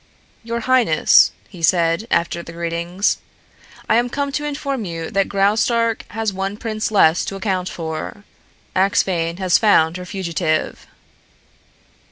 "Your highness," he said, after the greetings, "I am come to inform you that Graustark has one prince less to account for. Axphain has found her fugitive."